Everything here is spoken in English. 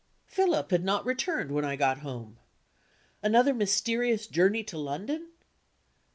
Philip had not returned when I got home. Another mysterious journey to London?